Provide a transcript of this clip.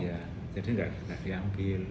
jadi tidak diambil